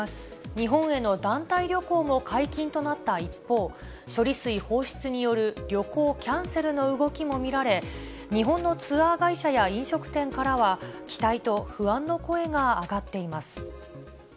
日本への団体旅行も解禁となった一方、処理水放出による旅行キャンセルの動きも見られ、日本のツアー会社や飲食店からは、期待と不安の声が上がっています。